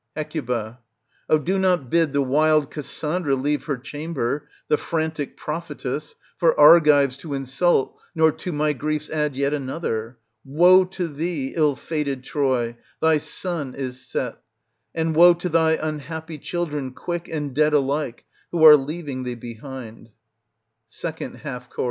Hec Oh ! do not bid the wild Cassandra leave her cham ber, the frantic prophetess, for Argives to insult, nor to my griefs add yet another. Woe to thee, ill fated Troy, thy sun is set; and woe to thy unhappy children, quick and dead alike, who are leaving thee behind ! 2ND Half Cho.